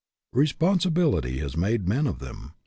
Responsibility has made men of them.